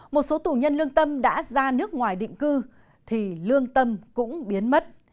một số tù nhân lương tâm đã ra nước ngoài định cư thì lương tâm cũng biến mất